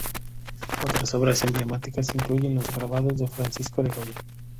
Otras obras emblemáticas incluyen los grabados de Francisco de Goya.